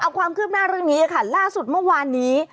เอาความคืบหน้าเรื่องนี้ค่ะล่าสุดเมื่อวานนี้